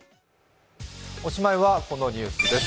おしまいは、このニュースです。